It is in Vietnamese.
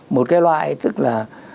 một loại tức là